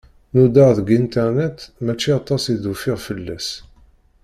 Nudaɣ deg internet, mačči aṭas i d-ufiɣ fell-as.